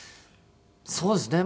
そうですね。